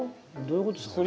どういうことですか？